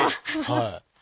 はい。